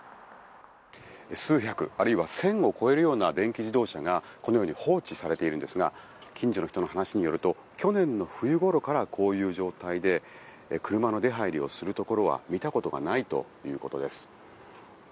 数百あるいは１０００を超えるような電気自動車がこのように放置されているんですが近所の人の話によると去年の冬ごろからこういう状態で車の出入りをするところは見たことがないということです。